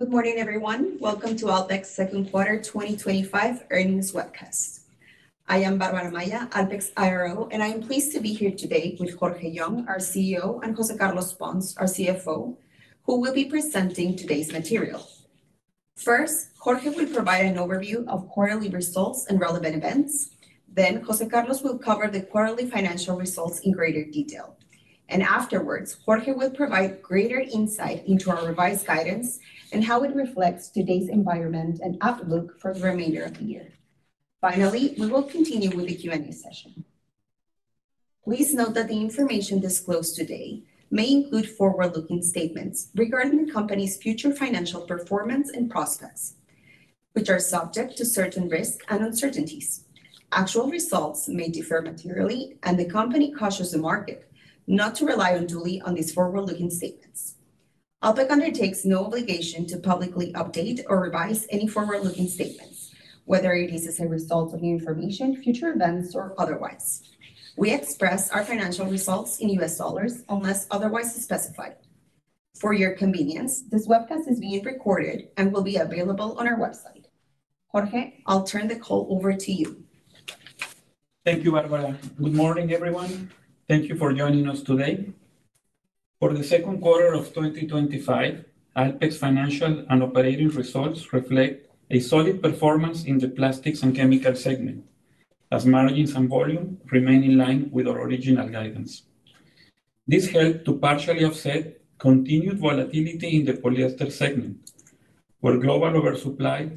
Good morning, everyone. Welcome to Alpek's second quarter 2025 earnings webcast. I am Bárbara Amaya, Alpek's IRO, and I'm pleased to be here today with Jorge Young, our CEO, and José Carlos Pons de la Garza, our CFO, who will be presenting today's materials. First, Jorge will provide an overview of quarterly results and relevant events. José Carlos will cover the quarterly financial results in greater detail. Afterwards, Jorge will provide greater insight into our revised guidance and how it reflects today's environment and outlook for the remainder of the year. Finally, we will continue with the Q&A session. Please note that the information disclosed today may include forward-looking statements regarding the company's future financial performance and prospects, which are subject to certain risks and uncertainties. Actual results may differ materially, and the company cautions the market not to rely unduly on these forward-looking statements. Alpek undertakes no obligation to publicly update or revise any forward-looking statements, whether it is as a result of new information, future events, or otherwise. We express our financial results in US dollars unless otherwise specified. For your convenience, this webcast is being recorded and will be available on our website. Jorge, I'll turn the call over to you. Thank you, Bárbara. Good morning, everyone. Thank you for joining us today. For the second quarter of 2025, Alpek's financial and operating results reflect a solid performance in the plastics and chemical segment, as margins and volume remain in line with our original guidance. This helps to partially offset continued volatility in the polyester segment, where global oversupply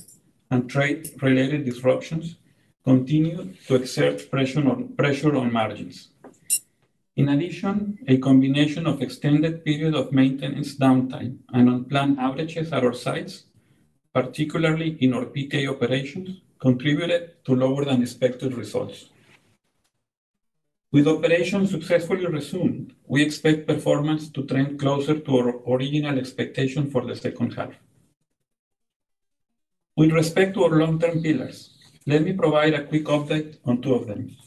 and trade-related disruptions continue to exert pressure on margins. In addition, a combination of extended periods of maintenance downtime and unplanned outages at our sites, particularly in our PTA operations, contributed to lower than expected results. With operations successfully resumed, we expect performance to trend closer to our original expectation for the second half. With respect to our long-term pillars, let me provide a quick update on two of them.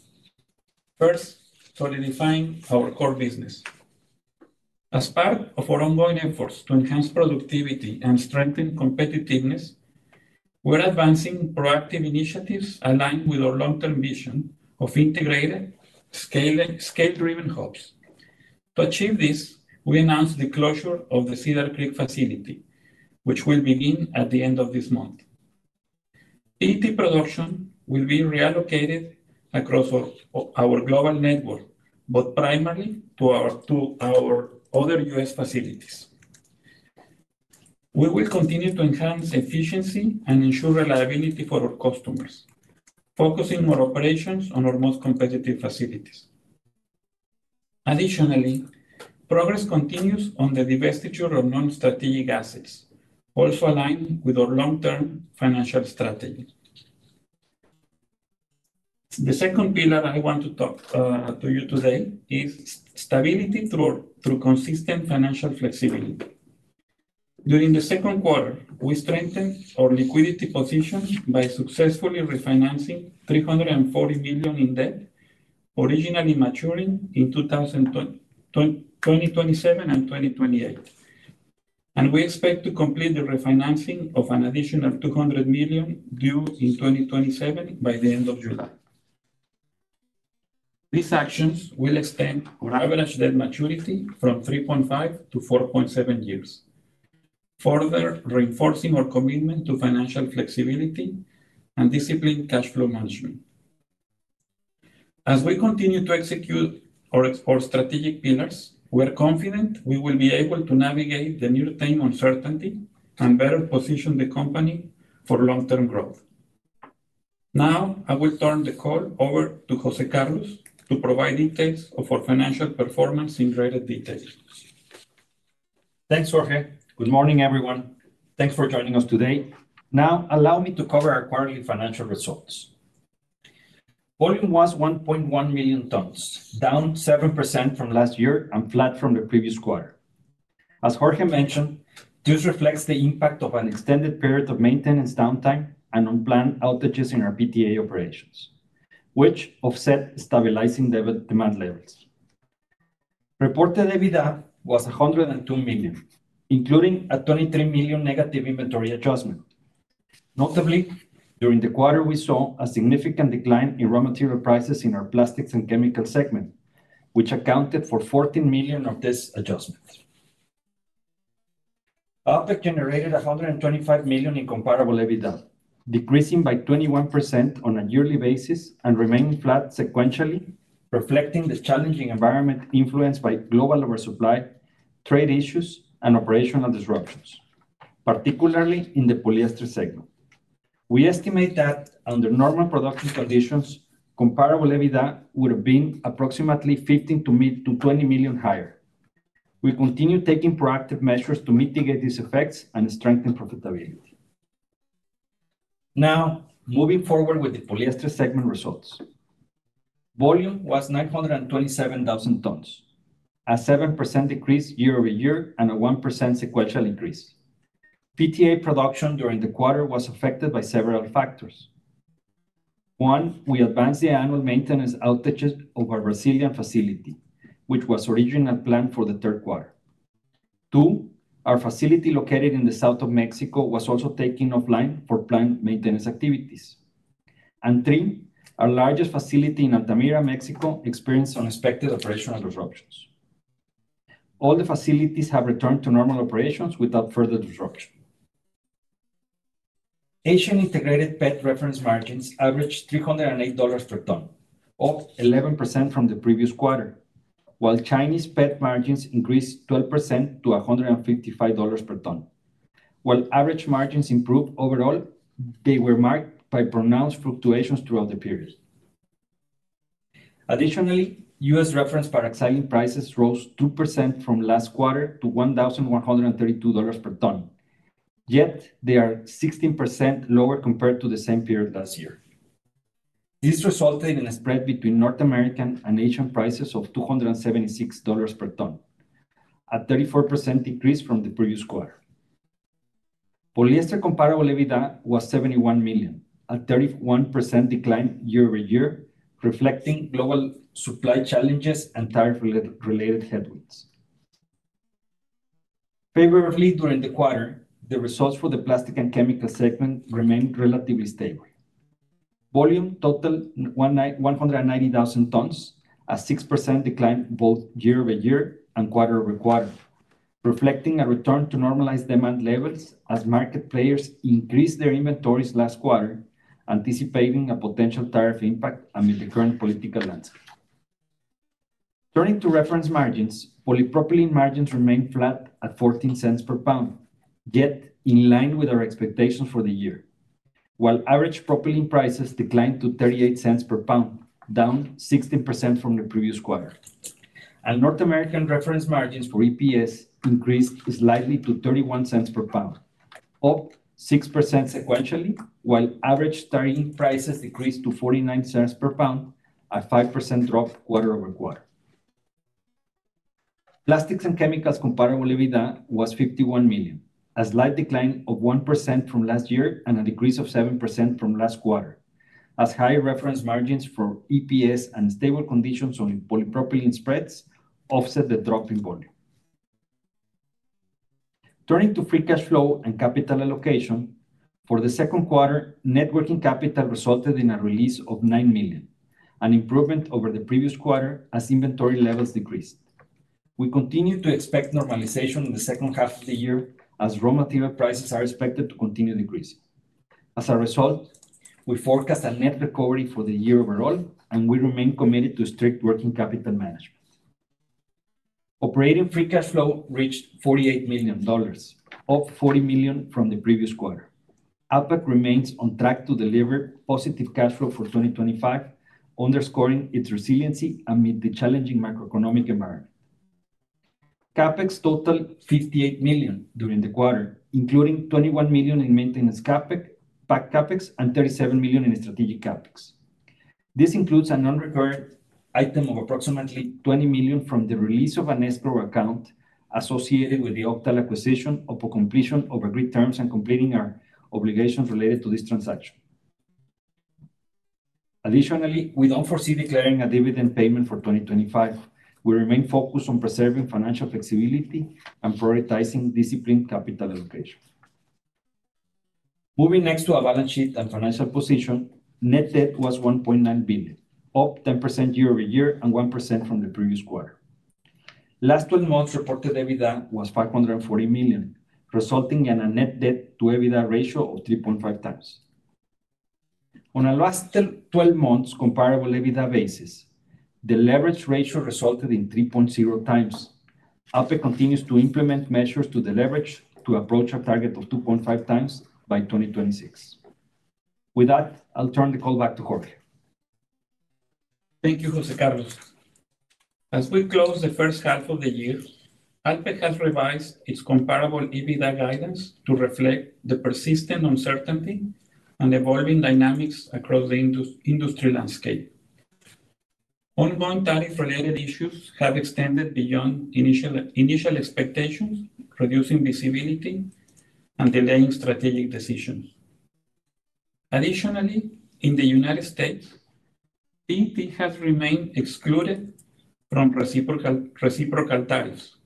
First, solidifying our core business. As part of our ongoing efforts to enhance productivity and strengthen competitiveness, we're advancing proactive initiatives aligned with our long-term vision of integrated, scale-driven hubs. To achieve this, we announced the closure of the Cedar Creek Facility, which will begin at the end of this month. PET production will be reallocated across our global network, but primarily to our other U.S. facilities. We will continue to enhance efficiency and ensure reliability for our customers, focusing more operations on our most competitive facilities. Additionally, progress continues on the divestiture of non-strategic assets, also aligned with our long-term financial strategy. The second pillar I want to talk to you today is stability through consistent financial flexibility. During the second quarter, we strengthened our liquidity position by successfully refinancing $340 million in debt, originally maturing in 2027 and 2028. We expect to complete the refinancing of an additional $200 million due in 2027 by the end of July. These actions will extend our average debt maturity from 3.5-4.7 years, further reinforcing our commitment to financial flexibility and disciplined cash flow management. As we continue to execute our strategic pillars, we're confident we will be able to navigate the new time uncertainty and better position the company for long-term growth. Now, I will turn the call over to José Carlos to provide details of our financial performance in greater detail. Thanks, Jorge. Good morning, everyone. Thanks for joining us today. Now, allow me to cover our quarterly financial results. Volume was 1.1 million tons, down 7% from last year and flat from the previous quarter. As Jorge mentioned, this reflects the impact of an extended period of maintenance downtime and unplanned outages in our PTA operations, which offset stabilizing demand levels. Reported EBITDA was $102 million, including a $23 million negative inventory adjustment. Notably, during the quarter, we saw a significant decline in raw material prices in our plastics and chemical segment, which accounted for $14 million of these adjustments. Alpek generated $125 million in Comparable EBITDA, decreasing by 21% on a yearly basis and remaining flat sequentially, reflecting the challenging environment influenced by global oversupply, trade issues, and operational disruptions, particularly in the polyester segment. We estimate that under normal production conditions, Comparable EBITDA would have been approximately $15 million-$20 million higher. We continue taking proactive measures to mitigate these effects and strengthen profitability. Now, moving forward with the polyester segment results. Volume was 927,000 tons, a 7% decrease year-over-year and a 1% sequential increase. PTA production during the quarter was affected by several factors. One, we advanced the annual maintenance outages of our Brazilian facility, which was originally planned for the third quarter. Two, our facility located in the south of Mexico was also taken offline for planned maintenance activities. Three, our largest facility in Altamira, Mexico, experienced unexpected operational disruptions. All the facilities have returned to normal operations without further disruption. Asian integrated PET reference margins averaged $308 per ton, up 11% from the previous quarter, while Chinese PET margins increased 12% to $155 per ton. While average margins improved overall, they were marked by pronounced fluctuations throughout the period. Additionally, U.S. reference Paraxylene prices rose 2% from last quarter to $1,132 per ton. Yet, they are 16% lower compared to the same period last year. This resulted in a spread between North American and Asian prices of $276 per ton, a 34% decrease from the previous quarter. Polyester Comparable EBITDA was $71 million, a 31% decline year-over-year, reflecting global supply challenges and tariff-related headwinds. Favorably, during the quarter, the results for the plastics and chemical segment remained relatively stable. Volume totaled 190,000 tons, a 6% decline both year-over-year and quarter-over-quarter, reflecting a return to normalized demand levels as market players increased their inventories last quarter, anticipating a potential tariff impact amid the current political landscape. Turning to reference margins, Polypropylene margins remained flat at $0.14 per pound, yet in line with our expectations for the year, while average propylene prices declined to $0.38 per pound, down 16% from the previous quarter. North American reference margins for EPS increased slightly to $0.31 per pound, up 6% sequentially, while average targeting prices decreased to $0.49 per pound, a 5% drop quarter-over-quarter. Plastics and chemicals Comparable EBITDA was $51 million, a slight decline of 1% from last year and a decrease of 7% from last quarter, as high reference margins for EPS and stable conditions on Polypropylene spreads offset the drop in volume. Turning to Free Cash Flow and capital allocation, for the second quarter, Net Working Capital resulted in a release of $9 million, an improvement over the previous quarter as inventory levels decreased. We continue to expect normalization in the second half of the year as raw material prices are expected to continue decreasing. As a result, we forecast a net recovery for the year overall, and we remain committed to strict working capital management. Operating Free Cash Flow reached $48 million, up $40 million from the previous quarter. Alpek remains on track to deliver positive cash flow for 2025, underscoring its resiliency amid the challenging macroeconomic environment. CapEx totaled $58 million during the quarter, including $21 million in Maintenance CapEx and $37 million in Strategic CapEx. This includes an unrecurring item of approximately $20 million from the release of an escrow account associated with the opt-out acquisition upon completion of our agreed terms and completing our obligations related to this transaction. Additionally, we don't foresee declaring a dividend payment for 2025. We remain focused on preserving financial flexibility and prioritizing disciplined capital allocation. Moving next to our balance sheet and financial position, Net Debt was $1.9 billion, up 10% year-over-year and 1% from the previous quarter. Last 12 months, reported EBITDA was $540 million, resulting in a Net Debt to EBITDA Ratio of 3.5 times. On our last 12 months' Comparable EBITDA basis, the leverage ratio resulted in 3.0 times. Alpek continues to implement measures to deleverage to approach our target of 2.5 times by 2026. With that, I'll turn the call back to Jorge. Thank you, José Carlos. As we close the first half of the year, Alpek has revised its Comparable EBITDA guidance to reflect the persistent uncertainty and evolving dynamics across the industry landscape. Unwanted tariff-related issues have extended beyond initial expectations, reducing visibility and delaying strategic decisions. Additionally, in the United States, PET has remained excluded from Reciprocal Tariffs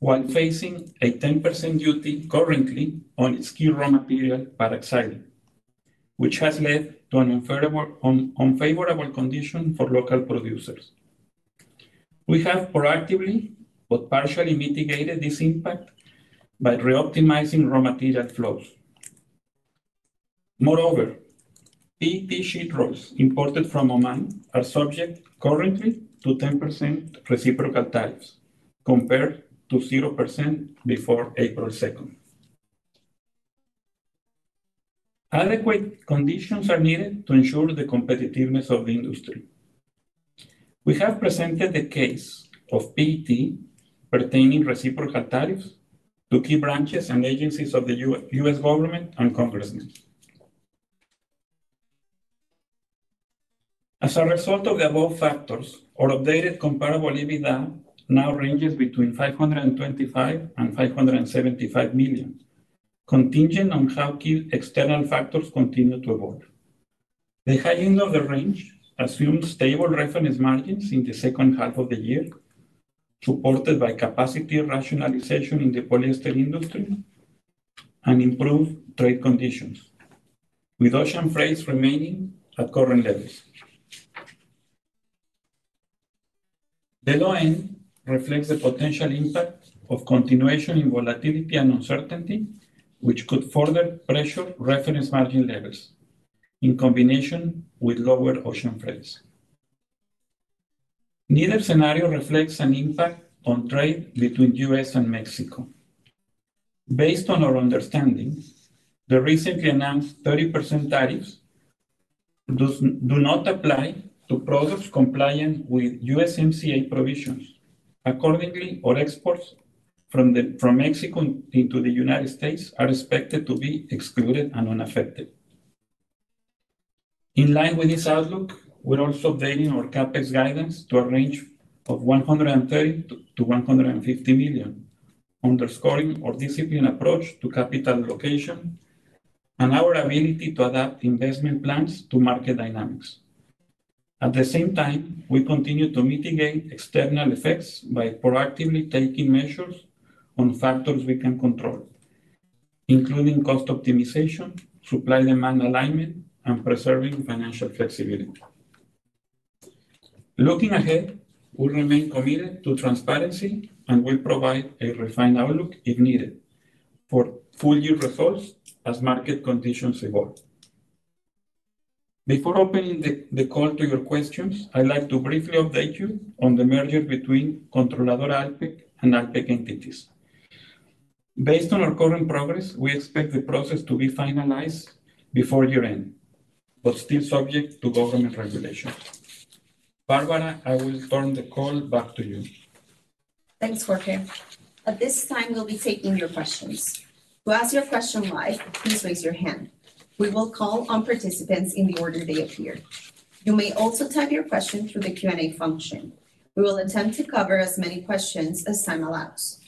while facing a 10% duty currently on skilled raw material Paraxylene, which has led to an unfavorable condition for local producers. We have proactively but partially mitigated this impact by reoptimizing raw material flows. Moreover, PET sheet loads imported from Oman are subject currently to 10% Reciprocal Tariffs compared to 0% before April 2. Adequate conditions are needed to ensure the competitiveness of the industry. We have presented the case of PET pertaining to Reciprocal Tariffs to key branches and agencies of the U.S. government and congressmen. As a result of the above factors, our updated Comparable EBITDA now ranges between $525 million and $575 million, contingent on how key external factors continue to evolve. The high end of the range assumes stable reference margins in the second half of the year, supported by capacity rationalization in the polyester industry and improved trade conditions, with option price remaining at current levels. The low end reflects the potential impact of continuation in volatility and uncertainty, which could further pressure reference margin levels in combination with lowered option price. Neither scenario reflects an impact on trade between U.S. and Mexico. Based on our understanding, the recently announced 30% tariffs do not apply to products compliant with USMCA provisions. Accordingly, all exports from Mexico into the United States are expected to be excluded and unaffected. In line with this outlook, we're also updating our CapEx guidance to a range of $130 million-$150 million, underscoring our disciplined approach to capital allocation and our ability to adapt investment plans to market dynamics. At the same time, we continue to mitigate external effects by proactively taking measures on factors we can control, including cost optimization, supply-demand alignment, and preserving financial flexibility. Looking ahead, we'll remain committed to transparency and will provide a refined outlook if needed for full-year results as market conditions evolve. Before opening the call to your questions, I'd like to briefly update you on the merger between Controladora Alpek and Alpek Entities. Based on our current progress, we expect the process to be finalized before year-end, but still subject to government regulation. Bárbara, I will turn the call back to you. Thanks, Jorge. At this time, we'll be taking your questions. To ask your question live, please raise your hand. We will call on participants in the order they appear. You may also type your question through the Q&A function. We will attempt to cover as many questions as time allows.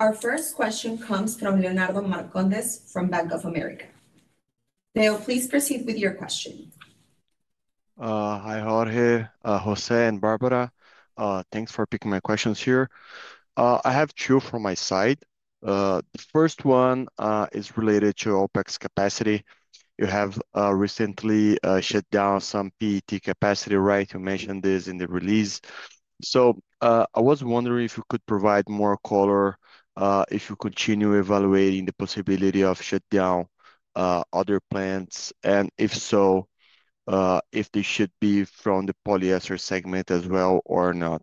Our first question comes from Leonardo Marcondes from Bank of America. Leo, please proceed with your question. Hi, Jorge, José, and Bárbara. Thanks for picking my questions here. I have two from my side. The first one is related to Alpek's capacity. You have recently shut down some PET capacity, right? You mentioned this in the release. I was wondering if you could provide more color if you continue evaluating the possibility of shutting down other plants and if so, if they should be from the polyester segment as well or not.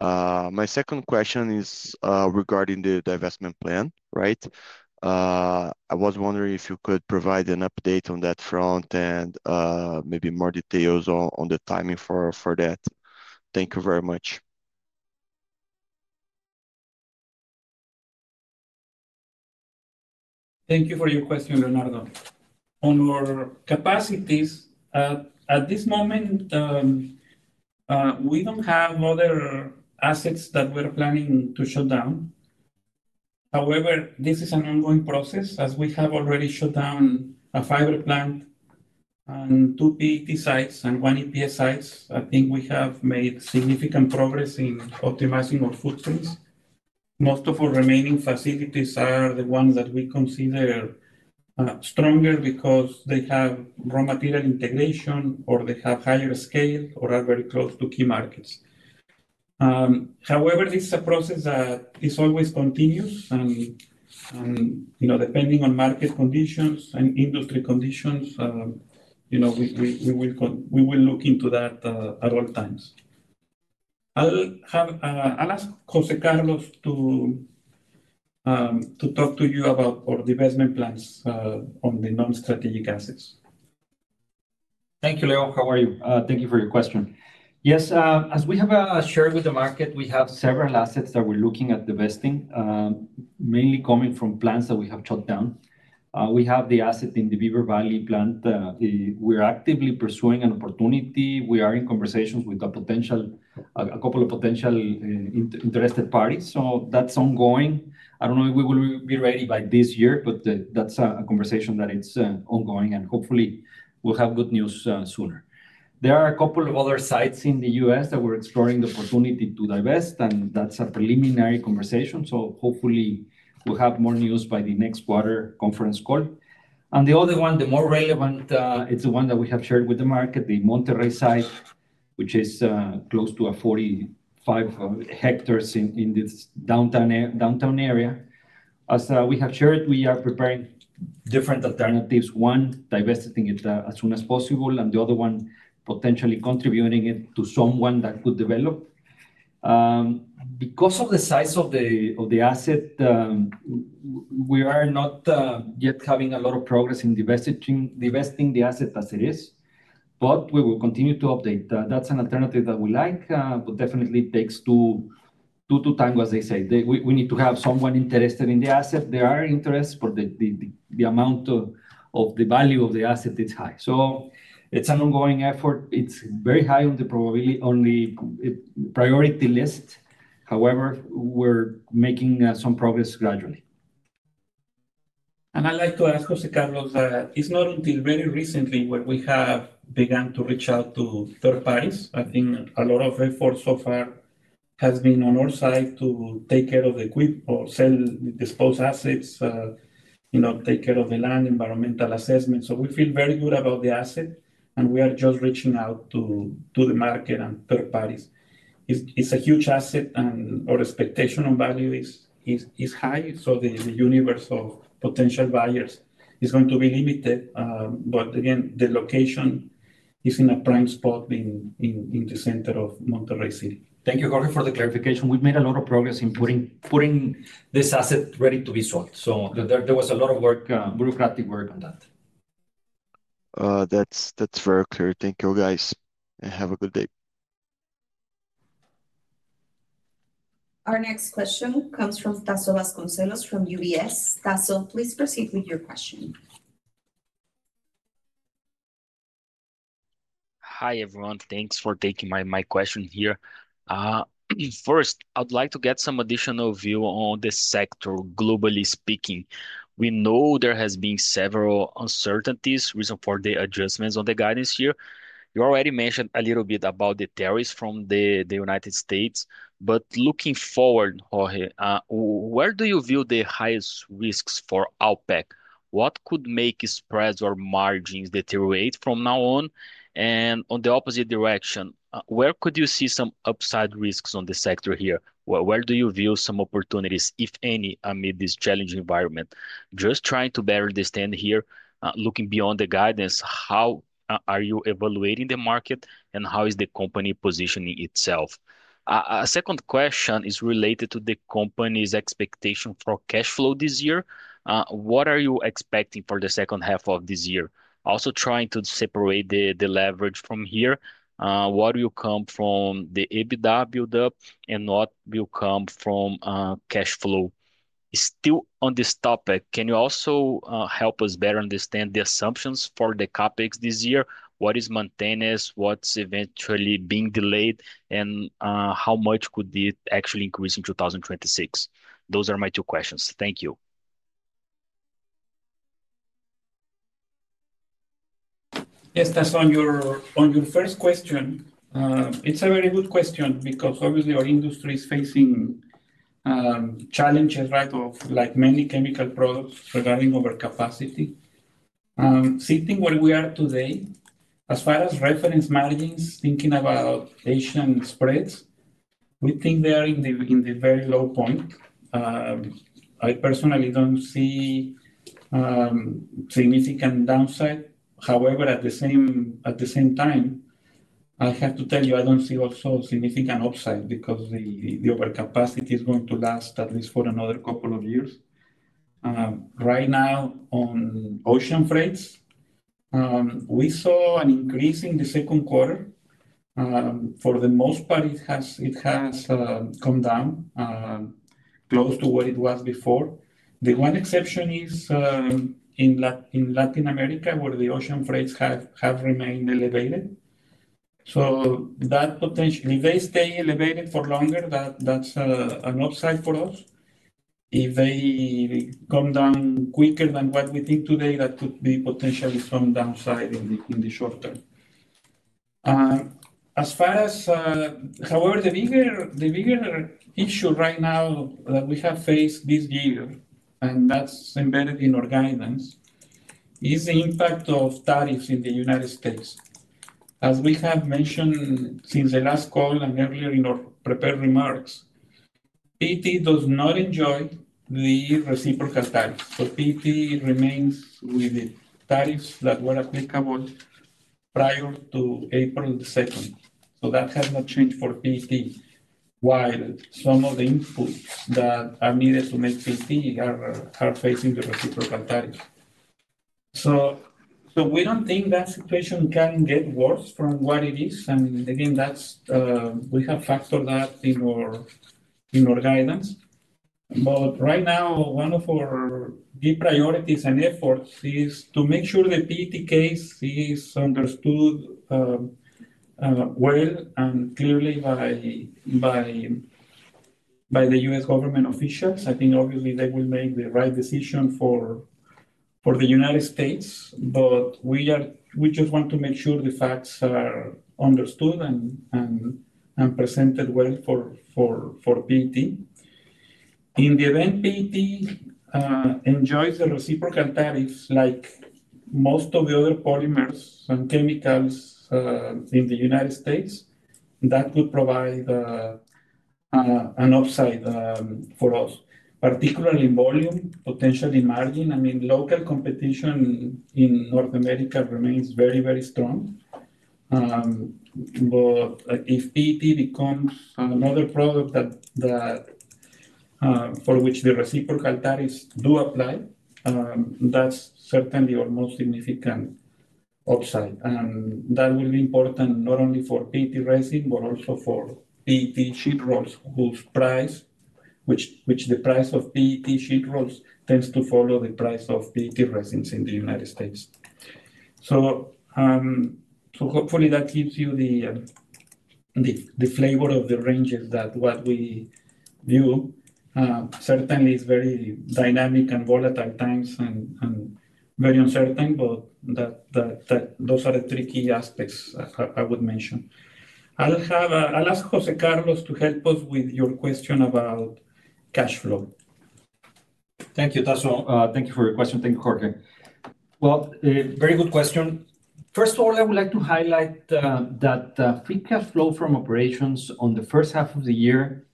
My second question is regarding the divestment plan, right? I was wondering if you could provide an update on that front and maybe more details on the timing for that. Thank you very much. Thank you for your question, Leonardo. On our capacities, at this moment, we don't have other assets that we're planning to shut down. However, this is an ongoing process. As we have already shut down a fiber plant and two PTA sites and one EPS site, I think we have made significant progress in optimizing our footprints. Most of our remaining facilities are the ones that we consider stronger because they have raw material integration or they have higher scale or are very close to key markets. However, this is a process that is always continuous and, depending on market conditions and industry conditions, we will look into that at all times. I'll ask José Carlos to talk to you about our divestment plans on the non-strategic assets. Thank you, Leo. How are you? Thank you for your question. Yes, as we have shared with the market, we have several assets that we're looking at divesting, mainly coming from plants that we have shut down. We have the asset in the Beaver Valley Plant. We're actively pursuing an opportunity. We are in conversations with a couple of potential interested parties. That's ongoing. I don't know if we will be ready by this year, but that's a conversation that is ongoing and hopefully we'll have good news sooner. There are a couple of other sites in the U.S. that we're exploring the opportunity to divest, and that's a preliminary conversation. Hopefully we'll have more news by the next quarter conference call. The other one, the more relevant, is the one that we have shared with the market, the Monterrey Site, which is close to 45 hectares in this downtown area. As we have shared, we are preparing different alternatives. One is divesting it as soon as possible and the other one potentially contributing it to someone that could develop. Because of the size of the asset, we are not yet having a lot of progress in divesting the asset as it is, but we will continue to update. That's an alternative that we like, but it definitely takes too long, as they say. We need to have someone interested in the asset. There are interests, but the amount of the value of the asset is high. It's an ongoing effort. It's very high on the priority list. However, we're making some progress gradually. I'd like to ask José Carlos that it's not until very recently where we have begun to reach out to third parties. I think a lot of effort so far has been on our side to take care of the equipment or sell disposed assets, take care of the land, environmental assessment. We feel very good about the asset and we are just reaching out to the market and third parties. It's a huge asset and our expectation on value is high, so the universe of potential buyers is going to be limited. The location is in a prime spot in the center of Monterrey City. Thank you, Jorge, for the clarification. We've made a lot of progress in putting this asset ready to be sold. There was a lot of work, bureaucratic work on that. That's very clear. Thank you, guys, and have a good day. Our next question comes from Tasso Vasconcelos from UBS. Tasso, please proceed with your question. Hi, everyone. Thanks for taking my question here. First, I'd like to get some additional view on the sector, globally speaking. We know there have been several uncertainties, reason for the adjustments on the guidance here. You already mentioned a little bit about the tariffs from the United States but looking forward, Jorge, where do you view the highest risks for Alpek? What could make spreads or margins deteriorate from now on? On the opposite direction, where could you see some upside risks on the sector here? Where do you view some opportunities, if any, amid this challenging environment? Just trying to better understand here, looking beyond the guidance, how are you evaluating the market and how is the company positioning itself? A second question is related to the company's expectation for cash flow this year. What are you expecting for the second half of this year? Also trying to separate the leverage from here. What will come from the EBITDA buildup and what will come from cash flow? Still on this topic, can you also help us better understand the assumptions for the CapEx this year? What is maintenance? What's eventually being delayed? How much could it actually increase in 2026? Those are my two questions. Thank you. Yes, Tasso, on your first question, it's a very good question because obviously our industry is facing challenges, right, of like many chemical products regarding our capacity. Sitting where we are today, as far as reference margins, thinking about Asian spreads, we think they're in the very low point. I personally don't see a significant downside. However, at the same time, I have to tell you, I don't see also a significant upside because our capacity is going to last at least for another couple of years. Right now, on Ocean Freights, we saw an increase in the second quarter. For the most part, it has come down close to what it was before. The one exception is in Latin America, where the Ocean Freights have remained elevated. That potential, if they stay elevated for longer, that's an upside for us. If they come down quicker than what we think today, that could be potentially some downside in the short-term. However, the bigger issue right now that we have faced this year, and that's embedded in our guidance, is the impact of tariffs in the United States. As we have mentioned since the last call and earlier in our prepared remarks, PET does not enjoy the Reciprocal Tariff. PET remains with the tariffs that were applicable prior to April the 2nd. That has not changed for PET, while some of the inputs that are needed to make PET are facing the Reciprocal Tariff. We don't think that situation can get worse from what it is. Again, we have factored that in our guidance. Right now, one of our key priorities and efforts is to make sure the PET case is understood well and clearly by the U.S. government officials. I think obviously they will make the right decision for the United States, but we just want to make sure the facts are understood and presented well for PET. In the event PET enjoys the Reciprocal Tariffs, like most of the other polymers and chemicals in the United States, that could provide an upside for us, particularly in volume, potentially in margin. Local competition in North America remains very, very strong. If PET becomes another product for which the Reciprocal Tariffs do apply, that's certainly our most significant upside. That will be important not only for PET resin but also for PET sheet rolls, whose price, which the price of PET sheet rolls tends to follow the price of PET resins in the United States. Hopefully that gives you the flavor of the ranges that what we do certainly is very dynamic and volatile times and very uncertain, but those are the tricky aspects I would mention. I'll ask José Carlos to help us with your question about cash flow. Thank you, Tasso. Thank you for your question. Thank you, Jorge. Very good question. First of all, I would like to highlight that Free Cash Flow from operations in the first half of the year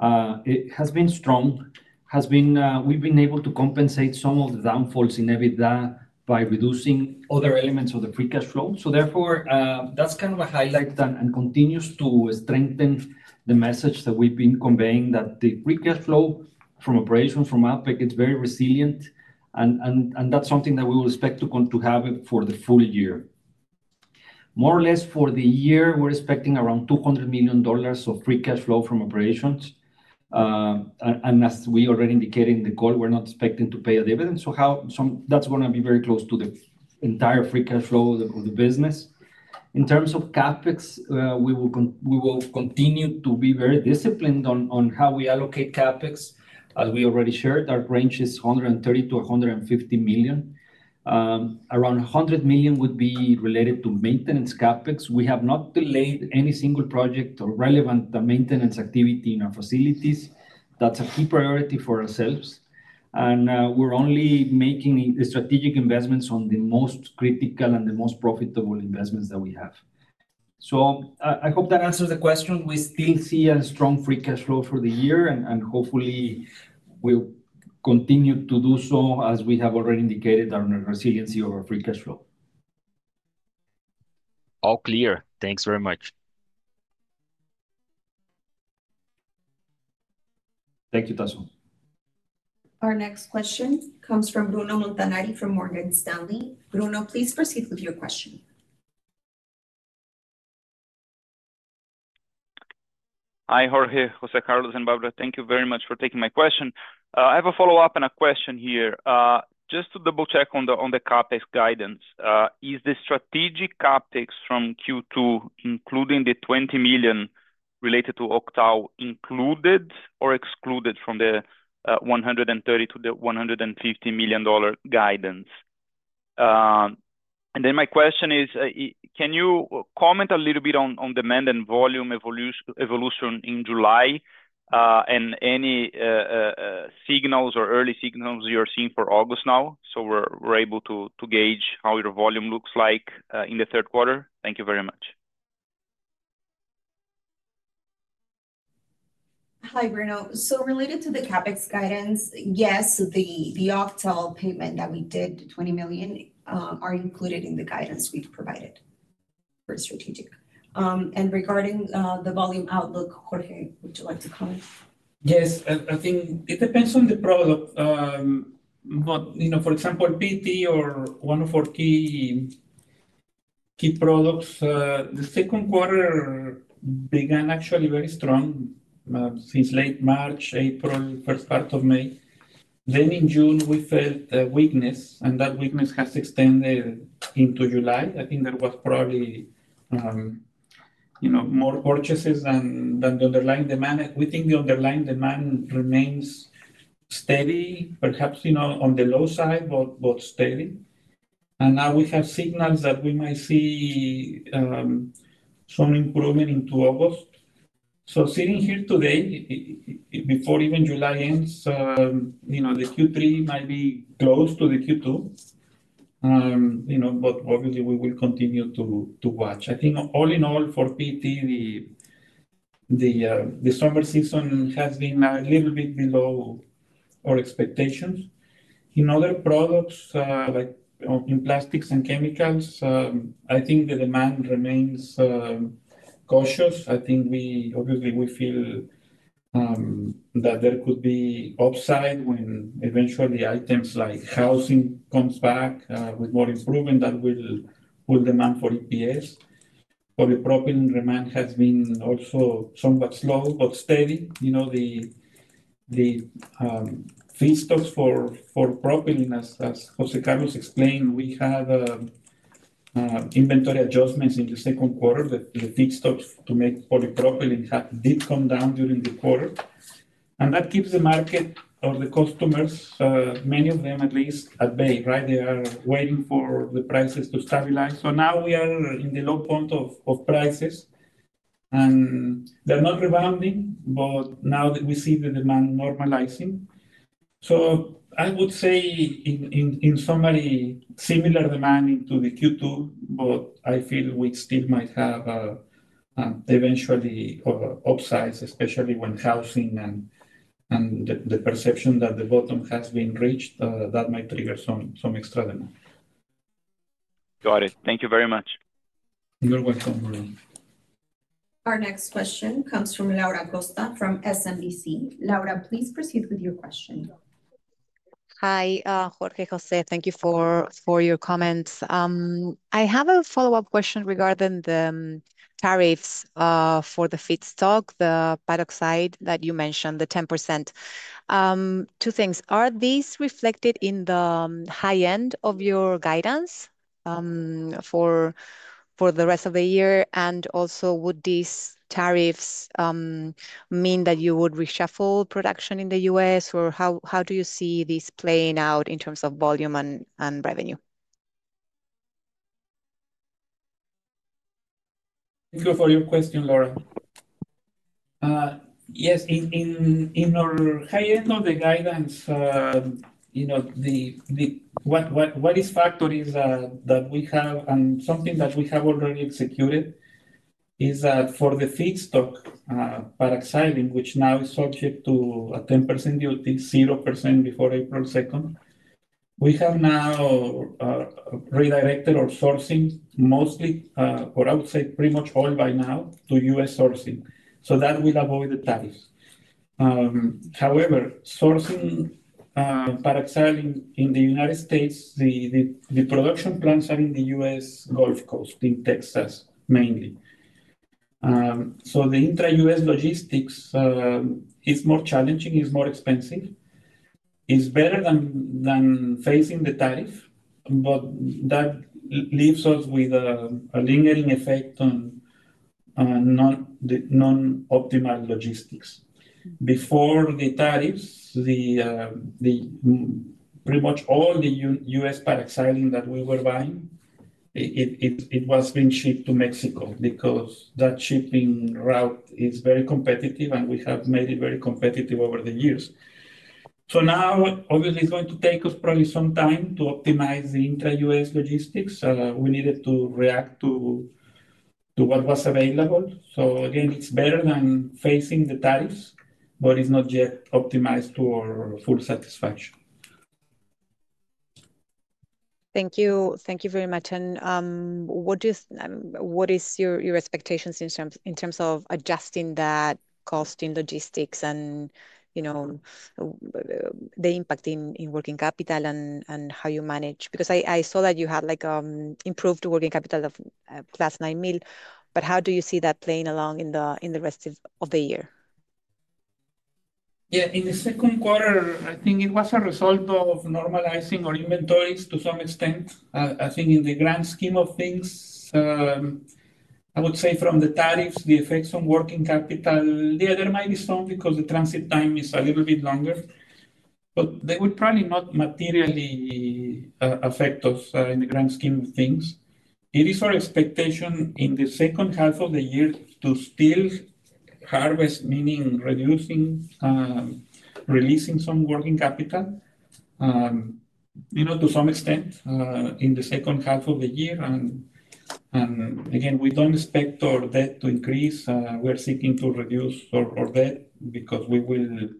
has been strong. We've been able to compensate some of the downfalls in EBITDA by reducing other elements of the Free Cash Flow. Therefore, that's kind of a highlight and continues to strengthen the message that we've been conveying that the Free Cash Flow from operations from Alpek is very resilient, and that's something that we will expect to have for the full-year. More or less for the year, we're expecting around $200 million of Free Cash Flow from operations. As we already indicated in the call, we're not expecting to pay a dividend. That's going to be very close to the entire Free Cash Flow of the business. In terms of CapEx, we will continue to be very disciplined on how we allocate CapEx. As we already shared, our range is $130-$150 million. Around $100 million would be related to Maintenance CapEx. We have not delayed any single project or relevant maintenance activity in our facilities. That's a key priority for ourselves. We're only making strategic investments on the most critical and the most profitable investments that we have. I hope that answers the question. We still see a strong Free Cash Flow for the year, and hopefully we'll continue to do so as we have already indicated on the resiliency of our Free Cash Flow. All clear. Thanks very much. Thank you, Tasso. Our next question comes from Bruno Montanari from Morgan Stanley. Bruno, please proceed with your question. Hi, Jorge, José Carlos, and Bárbara. Thank you very much for taking my question. I have a follow-up and a question here. Just to double-check on the CapEx guidance, is the Strategic CapEx from Q2, including the $20 million related to opt-out, included or excluded from the $130 miliion-$150 million guidance? My question is, can you comment a little bit on demand and volume evolution in July and any signals or early signals you're seeing for August now so we're able to gauge how your volume looks like in the third quarter? Thank you very much. Hi, Bruno. Related to the CapEx guidance, yes, the opt-out payment that we did, the $20 million, are included in the guidance we provided for strategic. Regarding the volume outlook, Jorge, would you like to comment? Yes, I think it depends on the product. For example, PET, one of our key products, the second quarter began actually very strong since late March, April, first part of May. In June, we felt a weakness, and that weakness has extended into July. I think there was probably more purchases than the underlying demand. We think the underlying demand remains steady, perhaps on the low side, but steady. Now we have signals that we might see some improvement into August. Sitting here today, before even July ends, the Q3 might be close to the Q2. Obviously, we will continue to watch. I think all in all, for PET, the summer season has been a little bit below our expectations. In other products, like in plastics and chemicals, I think the demand remains cautious. We obviously feel that there could be upside when eventually items like housing come back with more improvement that will put demand for EPS. For the propylene demand has been also somewhat slow, but steady. The feedstocks for propylene, as José Carlos explained, we had inventory adjustments in the second quarter that the feedstocks to make Polypropylene did come down during the quarter. That keeps the market or the customers, many of them at least, at bay. They are waiting for the prices to stabilize. Now we are in the low point of prices. They're not rebounding, but now we see the demand normalizing. I would say in summary, similar demand to the Q2, but I feel we still might have eventually upsides, especially when housing and the perception that the bottom has been reached. That might trigger some extra demand. Got it. Thank you very much. You're welcome, Bruno. Our next question comes from Laura Acosta from SMBC. Laura, please proceed with your question. Hi, Jorge, José. Thank you for your comments. I have a follow-up question regarding the tariffs for the feedstock, the Paraxylene that you mentioned, the 10%. Two things. Are these reflected in the high end of your guidance for the rest of the year? Also, would these tariffs mean that you would reshuffle production in the U.S.? How do you see this playing out in terms of volume and revenue? Thank you for your question, Laura. Yes, in our high end of the guidance, what is factoring that we have and something that we have already executed is that for the feedstock Paraxylene, which now is subject to a 10% tariff, I think 0% before April 2nd, we have now redirected our sourcing mostly, or I would say pretty much all by now, to U.S. sourcing. That will avoid the tariffs. However, sourcing Paraxylene in the United States, the production plants are in the U.S. Gulf Coast, in Texas mainly. The intra-U.S. logistics is more challenging, is more expensive. It's better than facing the tariff, but that leaves us with a lingering effect on non-optimal logistics. Before the tariffs, pretty much all the U.S. Paraxylene that we were buying, it was being shipped to Mexico because that shipping route is very competitive and we have made it very competitive over the years. Now, obviously, it's going to take us probably some time to optimize the intra-U.S. logistics. We needed to react to what was available. Again, it's better than facing the tariffs, but it's not yet optimized for full satisfaction. Thank you. Thank you very much. What is your expectation in terms of adjusting that cost in logistics and the impact in working capital and how you manage? I saw that you had improved working capital of $9 million. How do you see that playing along in the rest of the year? Yeah, in the second quarter, I think it was a result of normalizing our inventories to some extent. I think in the grand scheme of things, I would say from the tariffs, the effects on working capital, yeah, there might be some because the transit time is a little bit longer. They will probably not materially affect us in the grand scheme of things. It is our expectation in the second half of the year to still harvest, meaning releasing some working capital, you know, to some extent in the second half of the year. We don't expect our debt to increase. We're seeking to reduce our debt because we will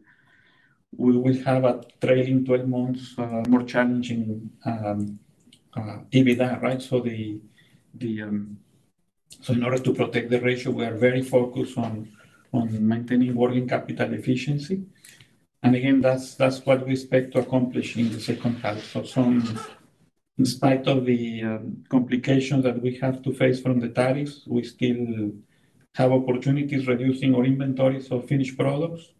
have a trailing 12 months more challenging EBITDA, right? In order to protect the ratio, we are very focused on maintaining working capital efficiency. That's what we expect to accomplish in the second half. Despite all the complications that we have to face from the tariffs, we still have opportunities reducing our inventories of finished products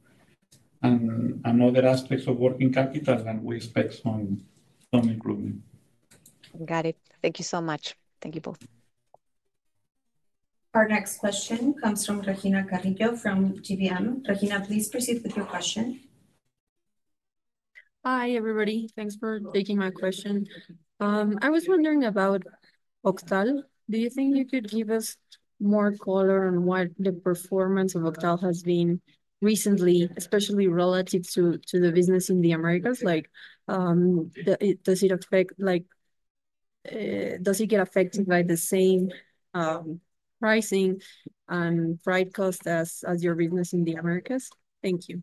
and other aspects of working capital that we expect some improvement. Got it. Thank you so much. Thank you both. Our next question comes from Regina Carrillo from GBM. Regina, please proceed with your question. Hi, everybody. Thanks for taking my question. I was wondering about Octal. Do you think you could give us more color on what the performance of Octal has been recently, especially relative to the business in the Americas? Like, does it affect, like, does it get affected by the same pricing and price cost as your business in the Americas? Thank you.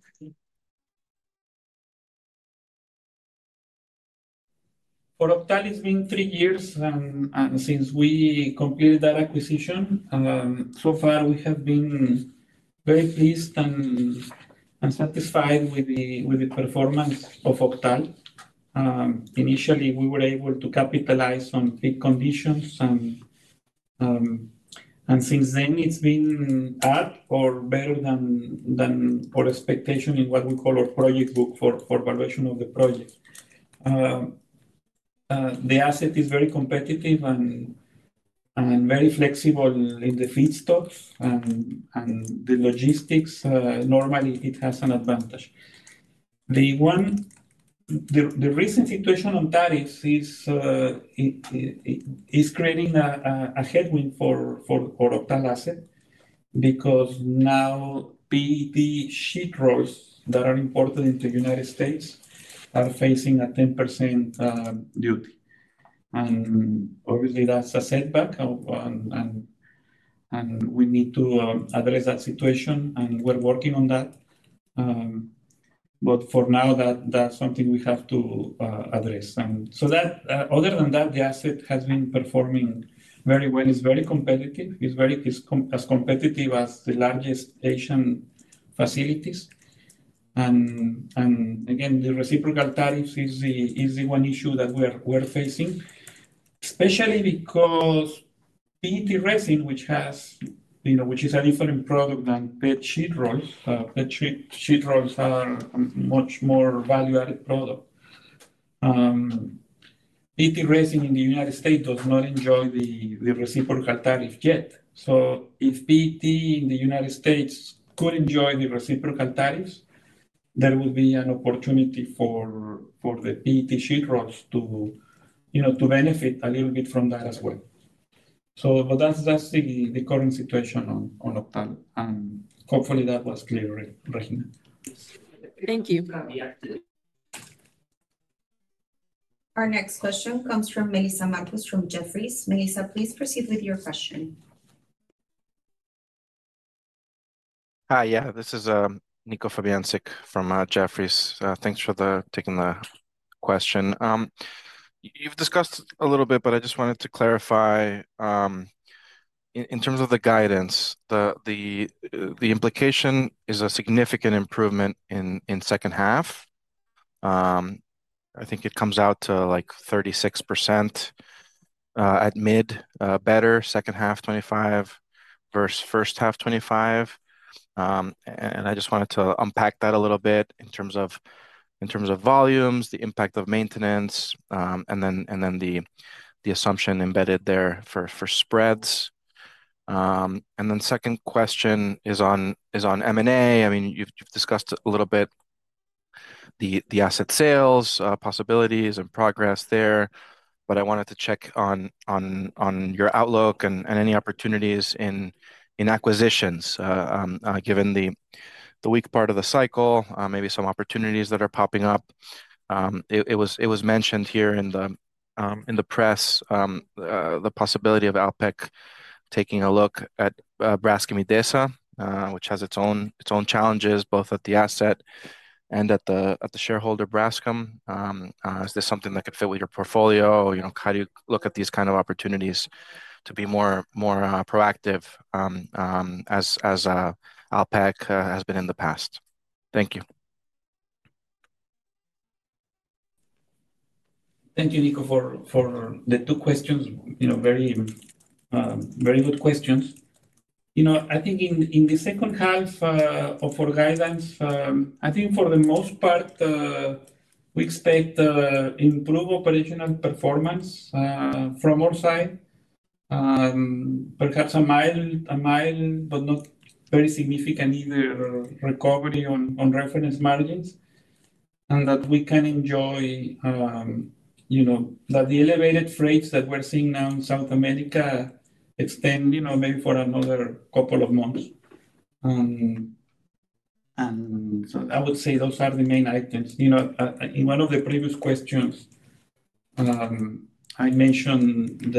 Octal has been three years, and since we completed that acquisition, so far, we have been very pleased and satisfied with the performance of Octal. Initially, we were able to capitalize on peak conditions, and since then, it's been up or better than our expectation in what we call our project book for evaluation of the project. The asset is very competitive and very flexible in the feedstocks and the logistics. Normally, it has an advantage. The recent situation on tariffs is creating a headwind for the Octal asset because now PET sheet rolls that are imported into the United States are facing a 10% duty. Obviously, that's a setback, and we need to address that situation, and we're working on that. For now, that's something we have to address. Other than that, the asset has been performing very well. It's very competitive. It's as competitive as the largest Asian facilities. Again, the Reciprocal Tariffs is the one issue that we're facing, especially because PET resin, which is a different product than PET sheet rolls. PET sheet rolls are a much more value-added product. PET resin in the United States does not enjoy the Reciprocal Tariff yet. If PET in the United States could enjoy the Reciprocal Tariffs, there would be an opportunity for the PET sheet rolls to benefit a little bit from that as well. That's the current situation on Octal. Hopefully, that was clear, Regina. Thank you. Our next question comes from Melissa Mampus from Jefferies. Melissa, please proceed with your question. Hi. Yeah, this is Nico Fabiancic from Jefferies. Thanks for taking the question. You've discussed a little bit, but I just wanted to clarify. In terms of the guidance, the implication is a significant improvement in the second half. I think it comes out to like 36% at mid better, second half 25% versus first half 25%. I just wanted to unpack that a little bit in terms of volumes, the impact of maintenance, and then the assumption embedded there for spreads. The second question is on M&A. I mean, you've discussed a little bit the asset sales possibilities and progress there, but I wanted to check on your outlook and any opportunities in acquisitions, given the weak part of the cycle, maybe some opportunities that are popping up. It was mentioned here in the press the possibility of Alpek taking a look at Braskem Idesa, which has its own challenges, both at the asset and at the shareholder Braskem. Is this something that could fit with your portfolio? You know, how do you look at these kinds of opportunities to be more proactive as Alpek has been in the past? Thank you. Thank you, Nico, for the two questions. Very good questions. In the second half of our guidance, for the most part, we expect improved operational performance from our side, perhaps a mild but not very significant either recovery on reference margins, and that we can enjoy that the elevated freights that we're seeing now in South America extend maybe for another couple of months. I would say those are the main items. In one of the previous questions, I mentioned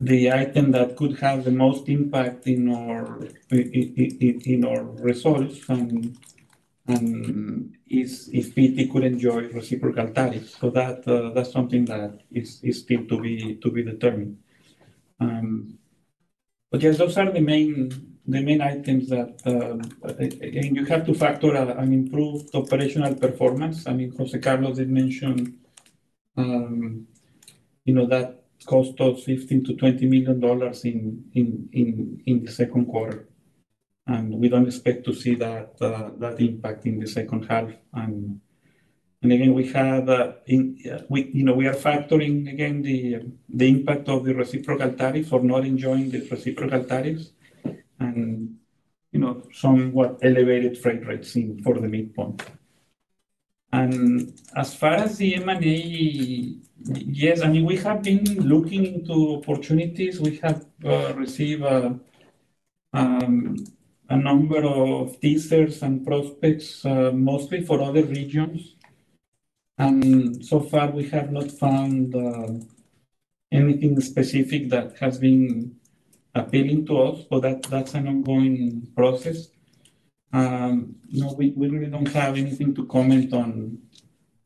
the item that could have the most impact in our results and if PET could enjoy Reciprocal Tariffs. That's something that is still to be determined. Yes, those are the main items that, again, you have to factor an improved operational performance. I mean, José Carlos did mention that cost of $15 million-$20 million in the second quarter. We don't expect to see that impact in the second half. We are factoring, again, the impact of the Reciprocal Tariff or not enjoying the Reciprocal Tariffs and somewhat elevated freight rates for the midpoint. As far as the M&A, yes, we have been looking into opportunities. We have received a number of teasers and prospects, mostly for other regions. So far, we have not found anything specific that has been appealing to us. That's an ongoing process. No, we really don't have anything to comment on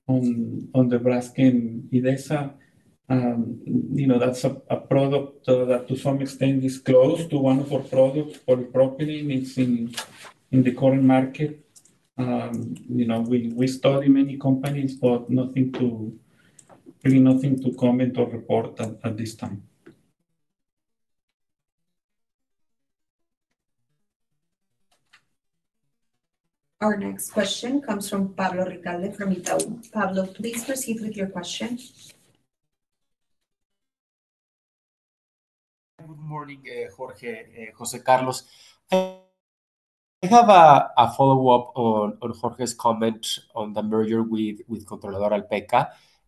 the Braskem Idesa. That's a product that to some extent is close to one of our products, Polypropylene, is in the current market. We study many companies, but nothing to really, nothing to comment or report at this time. Our next question comes from Pablo Ricalde from Itaú. Pablo, please proceed with your question. Good morning, Jorge, José Carlos. I have a follow-up on Jorge's comment on the merger with Controladora Alpek.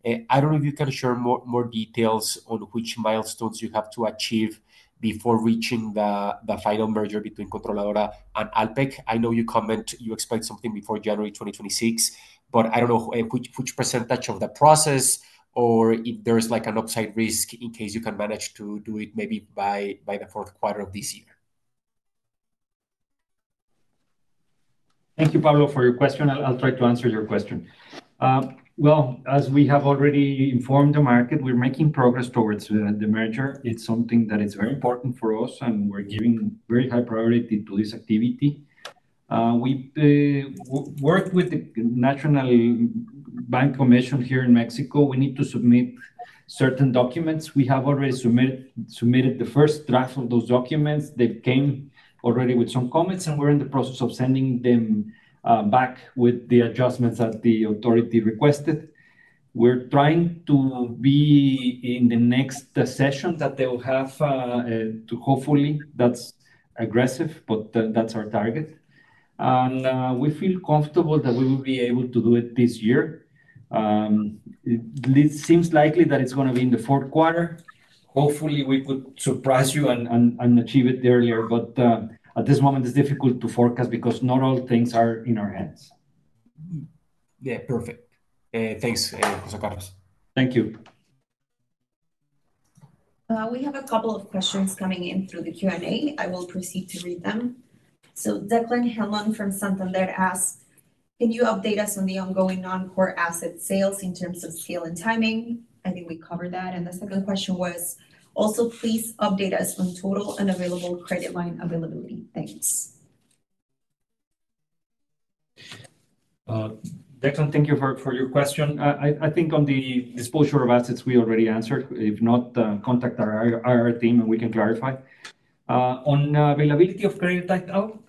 I don't know if you can share more details on which milestones you have to achieve before reaching the final merger between Controladora and Alpek. I know you comment you expect something before January 2026, but I don't know which percentage of the process or if there's like an upside risk in case you can manage to do it maybe by the fourth quarter of this year. Thank you, Pablo, for your question. I'll try to answer your question. As we have already informed the market, we're making progress towards the merger. It's something that is very important for us, and we're giving very high priority to this activity. We've worked with the National Bank Commission here in Mexico. We need to submit certain documents. We have already submitted the first draft of those documents. They came already with some comments, and we're in the process of sending them back with the adjustments that the authority requested. We're trying to be in the next session that they will have to hopefully. That's aggressive, but that's our target. We feel comfortable that we will be able to do it this year. It seems likely that it's going to be in the fourth quarter. Hopefully, we could surprise you and achieve it earlier. At this moment, it's difficult to forecast because not all things are in our hands. Yeah, perfect. Thanks, José Carlos. Thank you. We have a couple of questions coming in through the Q&A. I will proceed to read them. Declan Hammond from Santander asks, "Can you update us on the ongoing non-core asset sales in terms of scale and timing?" I think we covered that. The second question was, "Also, please update us on total and available credit line availability." Thanks. Declan, thank you for your question. I think on the disposure of assets, we already answered. If not, contact our IR team, and we can clarify. On availability of credit,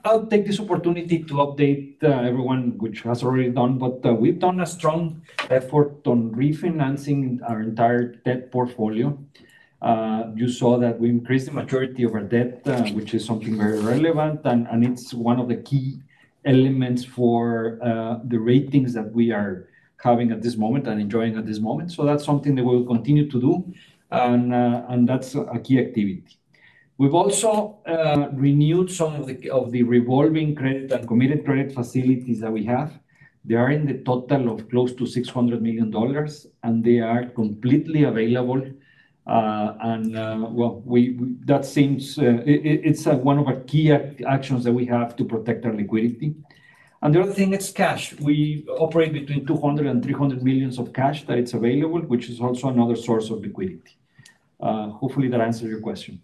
I'll take this opportunity to update everyone, which has already done. We've done a strong effort on refinancing our entire debt portfolio. You saw that we increased the maturity of our debt, which is something very relevant, and it's one of the key elements for the ratings that we are having at this moment and enjoying at this moment. That's something that we will continue to do, and that's a key activity. We've also renewed some of the revolving credit and committed credit facilities that we have. They are in the total of close to $600 million, and they are completely available. That seems it's one of our key actions that we have to protect our liquidity. The other thing, it's cash. We operate between $200 million and $300 million of cash that is available, which is also another source of liquidity. Hopefully, that answers your question.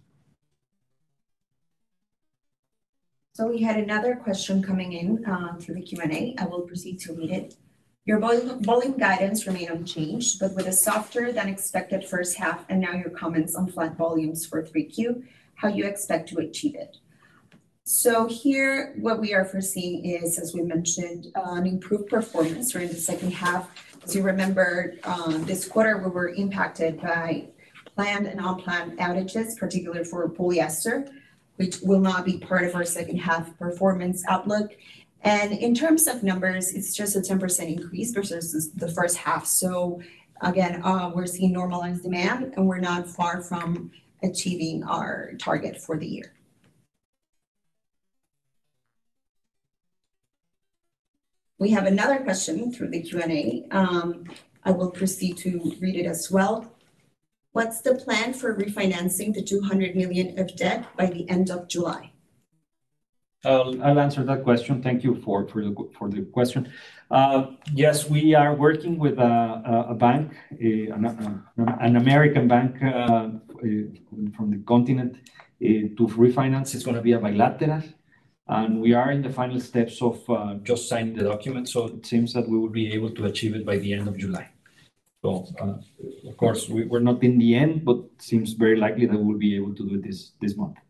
We had another question coming in through the Q&A. I will proceed to read it. "Your volume guidance remained unchanged, but with a softer than expected first half, and now your comments on flat volumes for 3Q, how do you expect to achieve it?" Here, what we are foreseeing is, as we mentioned, an improved performance during the second half. As you remember, this quarter, we were impacted by planned and unplanned outages, particularly for polyester, which will not be part of our second-half performance outlook. In terms of numbers, it's just a 10% increase versus the first half. Again, we're seeing normalized demand, and we're not far from achieving our target for the year. We have another question through the Q&A. I will proceed to read it as well. "What's the plan for refinancing the $200 million of debt by the end of July? I'll answer that question. Thank you for the question. Yes, we are working with a bank, an American bank from the continent, to refinance. It's going to be a bilateral, and we are in the final steps of just signing the document. It seems that we will be able to achieve it by the end of July. Of course, we're not in the end, but it seems very likely that we will be able to do it this month.